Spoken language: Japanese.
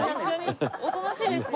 おとなしいですよ。